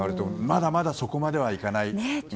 まだまだそこまではいかないと。